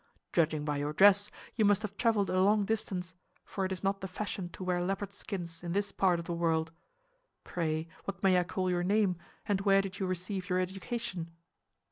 Judging by your dress, you must have traveled a long distance, for it is not the fashion to wear leopard skins in this part of the world. Pray, what may I call your name, and where did you receive your education?"